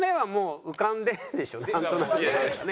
なんとなくはね。